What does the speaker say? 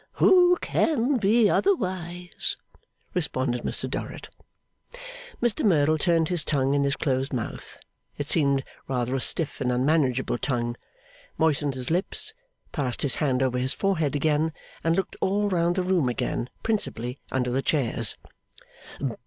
'Who can be otherwise?' responded Mr Dorrit. Mr Merdle turned his tongue in his closed mouth it seemed rather a stiff and unmanageable tongue moistened his lips, passed his hand over his forehead again, and looked all round the room again, principally under the chairs.